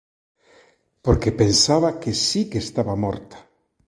Porque pensaba que si que estaba morta.